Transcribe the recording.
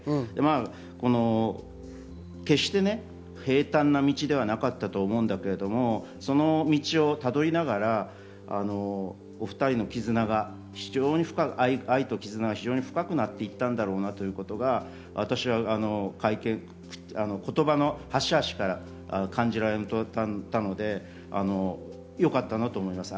決して平たんな道ではなかったと思うんだけれども、その道をたどりながら、お２人のきずなが、愛ときずなが深くなっていったんだろうなということが言葉の端々から感じられたのでよかったなと思います。